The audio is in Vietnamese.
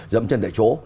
dẫm chân tại chỗ